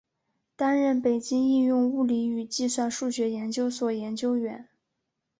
担任北京应用物理与计算数学研究所研究员。